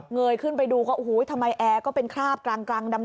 ยขึ้นไปดูก็โอ้โหทำไมแอร์ก็เป็นคราบกลางดำ